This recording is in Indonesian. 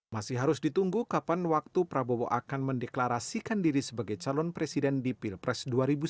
masih harus ditunggu kapan waktu prabowo akan mendeklarasikan diri sebagai calon presiden di pilpres dua ribu sembilan belas